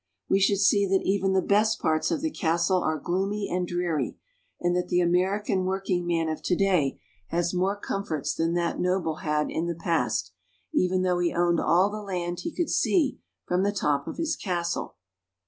We should see that even the best parts of the castle are gloomy and dreary, and that the Ameri can workingman of to day has more comforts than that noble had in the past, even though he owned all the land he could see from the top of his castle.